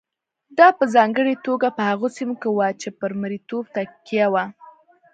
دا په ځانګړې توګه په هغو سیمو کې وه چې پر مریتوب تکیه وه.